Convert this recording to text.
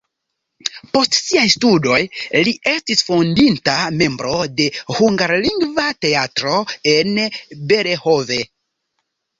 Post siaj studoj li estis fondinta membro de hungarlingva teatro en Berehove.